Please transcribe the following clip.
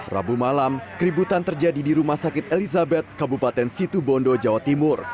rabu malam keributan terjadi di rumah sakit elizabeth kabupaten situbondo jawa timur